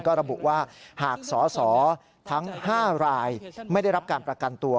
ก็ระบุว่าหากสอสอทั้ง๕รายไม่ได้รับการประกันตัว